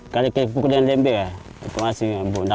kalau kita pukul dengan lembe ya itu masih nama buat pecah